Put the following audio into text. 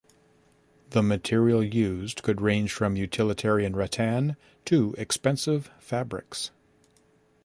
The material used could range from utilitarian rattan to expensive fabrics.